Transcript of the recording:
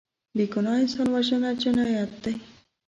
بېګناه انسان وژنه جنایت دی